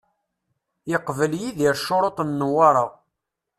Yeqbel Yidir ccuruṭ n Newwara.